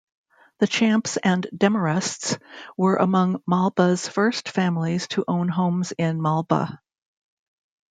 The Champs and Demarests were among Malba's first families to own homes in Malba.